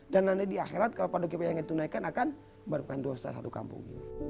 dan nanti di akhirat kalau paduki payah yang ditunaikan akan berpanduasa satu kampung